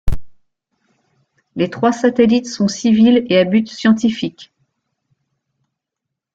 Les trois satellites sont civils et à but scientifique.